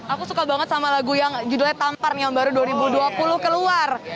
aku suka banget sama lagu yang judulnya tampar nih yang baru dua ribu dua puluh keluar